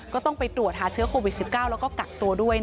ก็ต้องไปตรวจหาเชื้อโควิด๑๙แล้วก็กักตัวด้วย